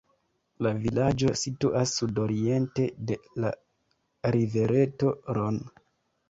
La vilaĝo situas sudoriente de la rivereto Ron.